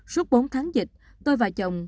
suốt bốn tháng dịch tôi và chồng